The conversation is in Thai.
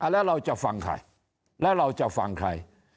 แล้วเราจะฟังใครแล้วเราจะฟังใคร